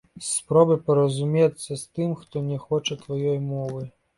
Спробай паразумецца з тым, хто не хоча тваёй мовы.